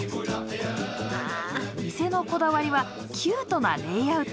店のこだわりはキュートなレイアウト。